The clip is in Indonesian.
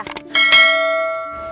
hutang jangan kalau pinter